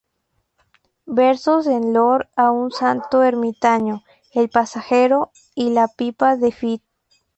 Versos en loor a un santo ermitaño", "El pasajero" y "La pipa de kif".